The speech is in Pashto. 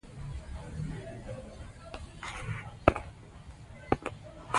د واک تمرکز اکثره وخت د شخړو او ستونزو سبب ګرځي